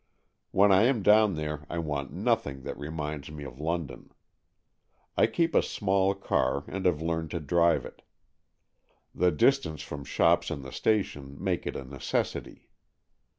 When I am down there I want nothing that reminds me of London. I keep a small car, and have learned to drive it. The distance from shops and the station make it a neces sity.